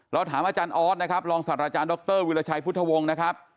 แล้วถามอาจารย์ออสนะครับลองสั่งอาจารย์ดรวิลชัยพุทธวงศ์นะครับ